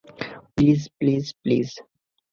Please, please, please!